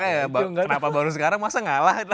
ya makanya kenapa baru sekarang masa ngalah